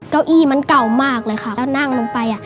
เก้าอี้มันเก่ามากเลยค่ะ